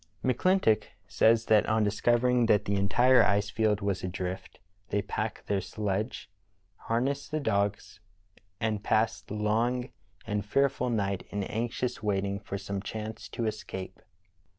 McClintock says that on discovering that the entire ice field was adrift ''They packed their sledge, har King William Land. nessed the dogs, and passed the long and fearful night in anxious waiting for some chance to escape.